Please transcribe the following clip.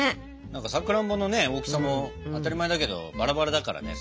何かさくらんぼのね大きさも当たり前だけどバラバラだからね。